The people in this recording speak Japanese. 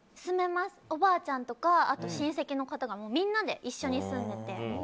おばあちゃんとか親戚の方がみんなで一緒に住んでて。